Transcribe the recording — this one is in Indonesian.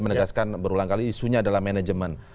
menegaskan berulang kali isunya adalah manajemen